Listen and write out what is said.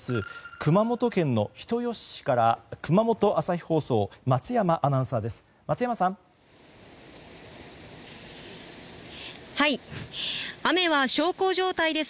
熊本県の人吉市から熊本朝日放送松山アナウンサーです。